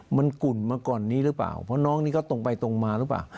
มันกุ่นมาก่อนนี้หรือเปล่าเพราะน้องนี่ก็ตรงไปตรงมาหรือเปล่า